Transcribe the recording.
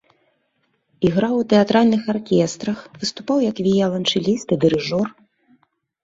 Іграў у тэатральных аркестрах, выступаў як віяланчэліст і дырыжор.